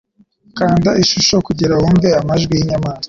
Kanda ishusho kugirango wumve amajwi yinyamaswa